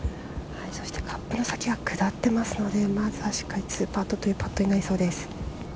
カップの先は下っていますのでまずはしっかり２パットというパットになりそうです。